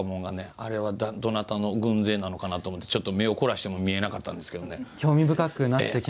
あれは、どなたの軍勢なのかなと思ってちょっと目を凝らしても見えなかったんですけどね。